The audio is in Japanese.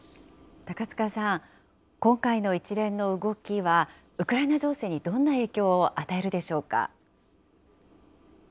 高塚さん、今回の一連の動きは、ウクライナ情勢にどんな影響を与えるでしょうか。